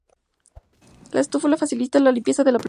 La espátula facilita la limpieza de la placa.